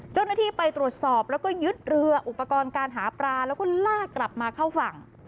เจ้าหน้าที่ไปตรวจสอบแล้วก็ยึดเรืออุปกรณ์การหาปลาแล้วก็ลากกลับมาเข้าฝั่ง